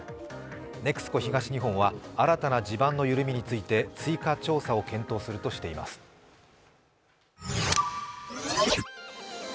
ＮＥＸＣＯ東日本は新たな地盤の緩みについて、追加調査を検討するとしています。